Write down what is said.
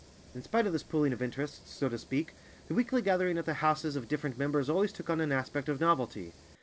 In spite of this pooling of interests, so to speak, the weekly gathering at the houses of different members always took on an aspect of novelty.